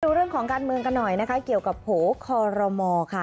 ดูเรื่องของการเมืองกันหน่อยนะคะเกี่ยวกับโผล่คอรมอค่ะ